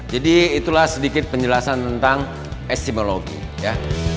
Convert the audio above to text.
jadi itulah sedikit penjelasan tentang estimologi ya